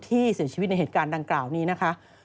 ที่เสียชีวิตในเหตุการณ์ดังกล่าวนี้นะคะ